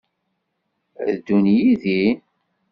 Ad ddun yid-i?